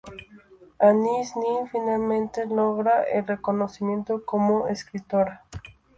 Anaïs Nin finalmente logra el reconocimiento como escritora.